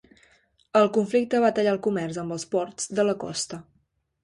El conflicte va tallar el comerç amb els ports de la costa.